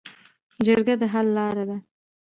جرګه د حل لاره ده